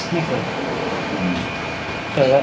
ไม่เคย